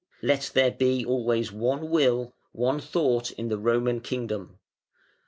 Let there be always one will, one thought in the Roman kingdom. ...